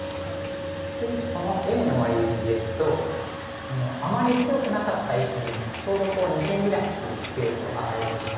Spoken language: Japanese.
でこのＡのワリ打ちですとあまり強くなかった石にちょうど二間ビラキするスペースを与えてしまいまして。